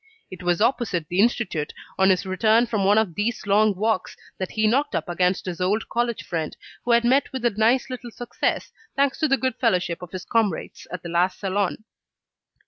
It was opposite the Institut, on his return from one of these long walks, that he knocked up against his old college friend, who had met with a nice little success, thanks to the good fellowship of his comrades, at the last Salon.